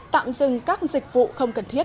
tạm dừng các dịch vụ không cần thiết